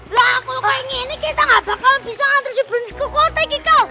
lah kalau kaya gini kita gak bakalan bisa nganter si brownie ke kotak itu